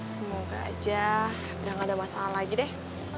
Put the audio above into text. semoga aja udah gak ada masalah lagi deh